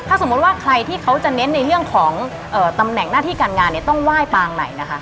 สมมุติว่าใครที่เขาจะเน้นในเรื่องของตำแหน่งหน้าที่การงานเนี่ยต้องไหว้ปางไหนนะคะ